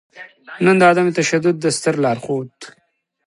نــن د عـدم تـشدود د ســتــر لارښــود